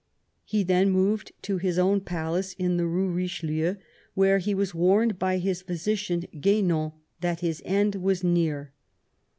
He then moved to his own palace in the Rue Eichelieu, where he was warned by his physician, Gu^nant, that his end was near.